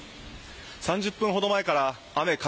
３０分ほど前から雨風